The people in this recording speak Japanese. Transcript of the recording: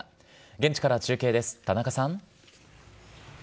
現地から中継です、田中さん。